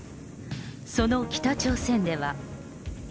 その北朝鮮では。